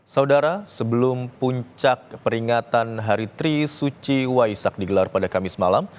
saudara sebelum puncak peringatan hari tri suci waisak digelar pada kamis malam